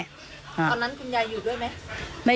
ตอนนั้นคุณยายอยู่ด้วยไหม